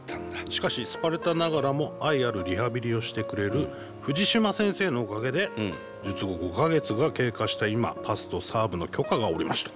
「しかしスパルタながらも愛あるリハビリをしてくれるフジシマ先生のおかげで術後５か月が経過した今パスとサーブの許可が下りました。